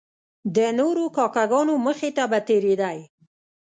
د نورو کاکه ګانو مخې ته به تیریدی.